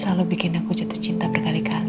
selalu bikin aku jatuh cinta berkali kali